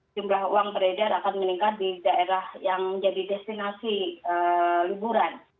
jumlah uang beredar akan meningkat di daerah yang menjadi destinasi liburan